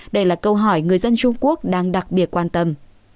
đây là câu hỏi người dân trung quốc đang đặc biệt quan tâm